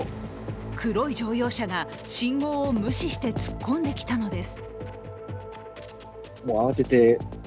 黒い乗用車が信号を無視して突っ込んできたのです。